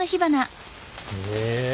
へえ。